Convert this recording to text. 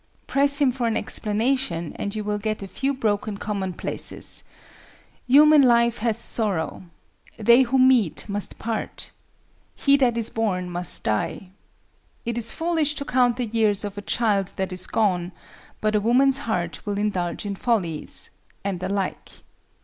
Press him for explanation and you will get a few broken commonplaces—"Human life has sorrow;" "They who meet must part;" "He that is born must die;" "It is foolish to count the years of a child that is gone, but a woman's heart will indulge in follies;" and the like.